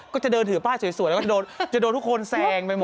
ก็จะเดินถือป้ายสวยแล้วก็จะโดนทุกคนแซงไปหมด